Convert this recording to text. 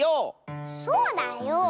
そうだよ。